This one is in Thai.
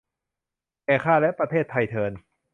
แก่ข้าและประเทศไทยเทอญ